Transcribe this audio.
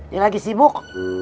dia lagi sibuk